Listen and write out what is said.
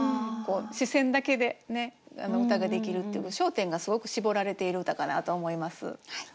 視線だけで歌が出来るっていうか焦点がすごく絞られている歌かなと思います。